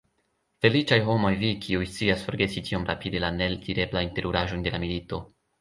Feliĉaj homoj vi, kiuj scias forgesi tiom rapide la neeldireblajn teruraĵojn de la milito!